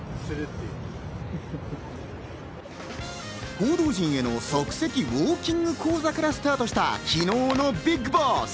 報道陣への即席ウオーキング講座からスタートした昨日のＢＩＧＢＯＳＳ。